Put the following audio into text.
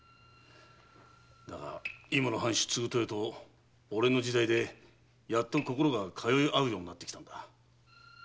だが今の藩主・継豊と俺の時代でやっと心が通いあうようになってきたのだ。